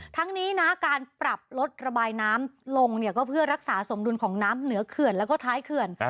ทั้งนี้นะการปรับลดระบายน้ำลงเนี่ยก็เพื่อรักษาสมดุลของน้ำเหนือเขื่อนแล้วก็ท้ายเขื่อน